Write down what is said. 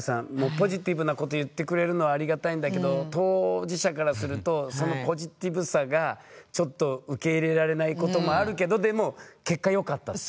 ポジティブなこと言ってくれるのはありがたいんだけど当事者からするとそのポジティブさがちょっと受け入れられないこともあるけどでも結果よかったっていうね。